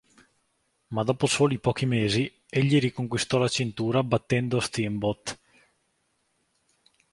Ma dopo soli pochi mesi, egli riconquistò la cintura battendo Steamboat.